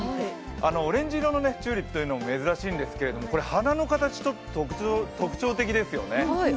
オレンジ色のチューリップというのも珍しいんですけれども花の形、ちょっと特徴的ですよね。